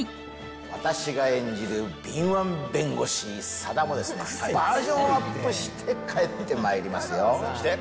私が演じる敏腕弁護士、佐田も、バージョンアップして帰ってそして。